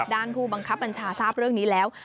ผู้บังคับบัญชาทราบเรื่องนี้แล้ว